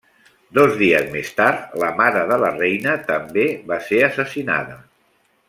Dos dies més tard, la mare de la Reina també va ser assassinada.